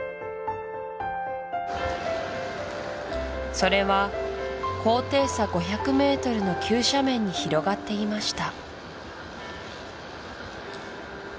それは高低差５００ｍの急斜面に広がっていました